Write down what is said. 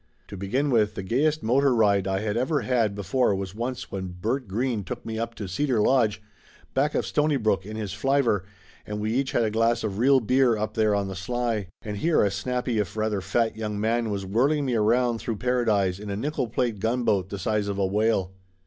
To begin with, the gayest motor ride I had ever had before was once when Bert Green took me up to Cedar Lodge back of Stonybrook, in his flivver, and we each had a glass of real beer up there on the sly. And here a snappy if rather fat young man was whirling me around through paradise in a nickel plate gunboat the size of a whale.